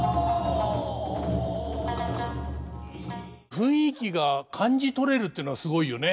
雰囲気が感じとれるっていうのはすごいよね。